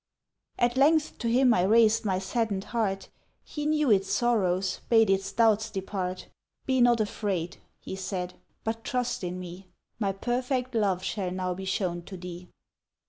At length to him I raised my saddened heart; He knew its sorrows, bade its doubts depart; "Be not afraid," he said, "but trust in me; My perfect love shall now be shown to thee."